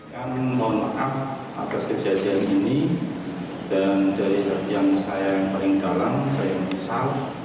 kami mohon maaf atas kejadian ini dan dari yang saya yang paling dalam saya yang pisau